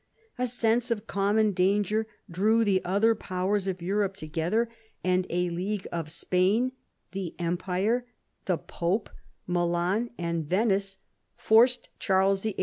A sense of common danger drew the other powers of Europe together ; and a League of Spain, the Empire, the Pope, Milan, and Venice forced Charles VIII.